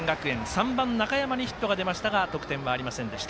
３番、中山にヒットが出ましたが、得点ありません。